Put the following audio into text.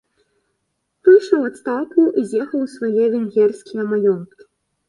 Выйшаў у адстаўку і з'ехаў у свае венгерскія маёнткі.